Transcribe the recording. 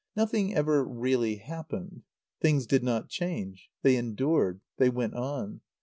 Nothing ever really happened. Things did not change; they endured; they went on.